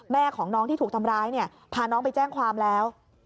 แม่ของน้องที่ถูกทำร้ายเนี่ยพาน้องไปแจ้งความแล้ว